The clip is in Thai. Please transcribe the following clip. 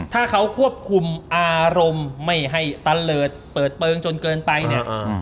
ถ้าเขาควบคุมอารมณ์ไม่ให้ตะเลิศเปิดเปลืองจนเกินไปเนี่ย